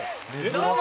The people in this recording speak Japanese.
どうも！